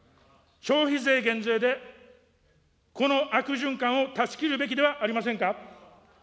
消費税減税でこの悪循環を断ち切るべきではありませんか。